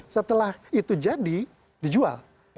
setelah itu jadi dijual